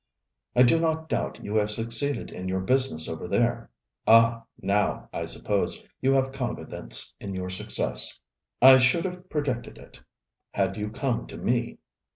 I do not doubt you have succeeded in your business over there. Ah! Now I suppose you have confidence in your success. I should have predicted it, had you come to me.'